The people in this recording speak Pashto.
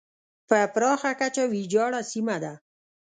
په پراخه کچه ویجاړه سیمه ده.